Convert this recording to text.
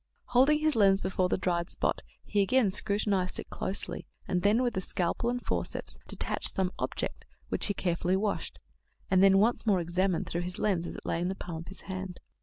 Holding his lens before the dried spot, he again scrutinized it closely, and then, with a scalpel and forceps, detached some object, which he carefully washed, and then once more examined through his lens as it lay in the palm of his hand.